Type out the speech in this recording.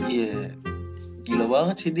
iya gila banget sih dia